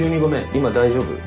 今大丈夫？